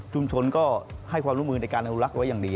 ชุมชนก็ให้ความร่วมมือนในการรับรักไว้อย่างดี